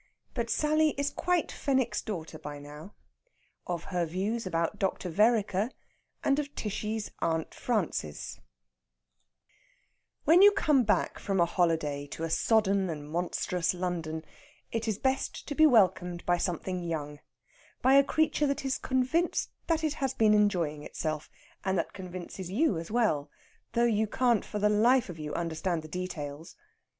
BUT SALLY IS QUITE FENWICK'S DAUGHTER BY NOW. OF HER VIEWS ABOUT DR. VEREKER, AND OF TISHY'S AUNT FRANCES When you come back from a holiday to a sodden and monstrous London, it is best to be welcomed by something young by a creature that is convinced that it has been enjoying itself, and that convinces you as well, although you can't for the life of you understand the details.